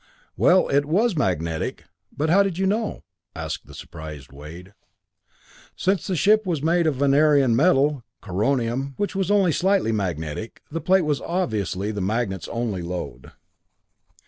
"Well it was magnetic, but how did you know?" asked the surprised Wade. Since the ship was made of the Venerian metal, coronium, which was only slightly magnetic, the plate was obviously the magnet's only load.